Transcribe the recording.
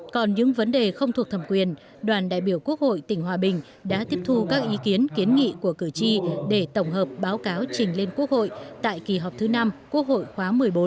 còn những vấn đề không thuộc thẩm quyền đoàn đại biểu quốc hội tỉnh hòa bình đã tiếp thu các ý kiến kiến nghị của cử tri để tổng hợp báo cáo trình lên quốc hội tại kỳ họp thứ năm quốc hội khóa một mươi bốn